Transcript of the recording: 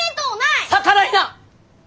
逆らいな！